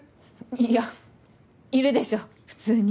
いやいるでしょ普通に。